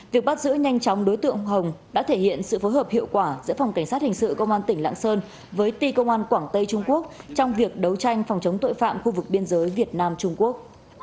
việc bắt giữ nhanh chóng đối tượng hồng đã thể hiện sự phối hợp hiệu quả giữa phòng cảnh sát hình sự công an tỉnh lạng sơn với ti công an quảng tây trung quốc trong việc đấu tranh phòng chống tội phạm khu vực biên giới việt nam trung quốc